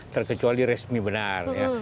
terkecuali resmi benar ya